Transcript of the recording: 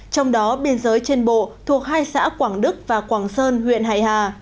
trong đó biên giới trên bộ thuộc hai xã quảng đức và quảng sơn huyện hải hà